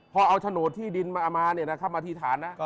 พอเอาโฉดที่ดินมาอามานเนี่ยนะครับมาทฤษฐานนะ